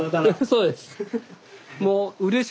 そうです。